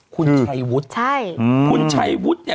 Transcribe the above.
คุณชัยวุฒิใช่คุณชัยวุฒิเนี่ย